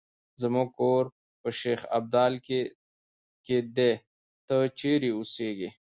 زمونږ کور په شیخ ابدال کې ده، ته چېرې اوسیږې؟